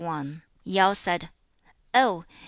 Yao said, 'Oh!